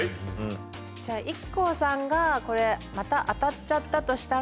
じゃあＩＫＫＯさんがこれまた当たっちゃったとしたら。